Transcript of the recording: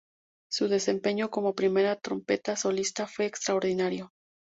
Su desempeño como primera trompeta solista fue extraordinario.